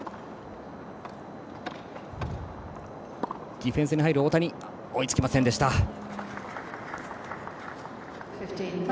ディフェンスに入る大谷追いつきませんでした。